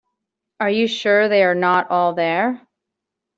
Are you sure they are not all there?